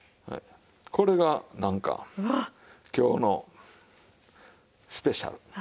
これがなんか今日のスペシャル。